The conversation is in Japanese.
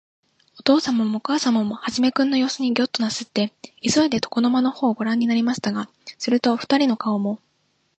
おとうさまもおかあさまも、始君のようすにギョッとなすって、いそいで、床の間のほうをごらんになりましたが、すると、おふたりの顔も、